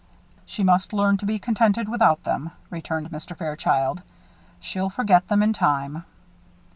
"She must learn to be contented without them," returned Mr. Fairchild. "She'll forget them, in time."